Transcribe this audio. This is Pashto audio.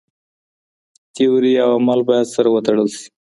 تيوري او عمل بايد سره وتړل سي.